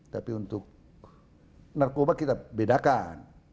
tapi untuk narkoba kita bedakan